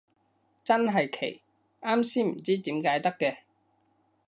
真係奇，啱先唔知點解得嘅